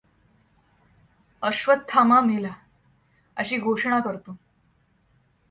अश्वत्थामा मेला! अशी घोषणा करतो.